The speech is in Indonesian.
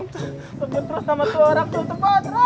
temen terus sama tu orang tuh temen